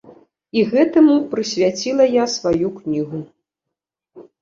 І гэтаму прысвяціла я сваю кнігу.